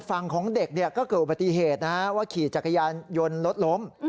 ฝั่งของเด็กเนี่ยก็เกิดอุบัติเหตุนะฮะว่าขี่จักรยานยนต์รถล้ม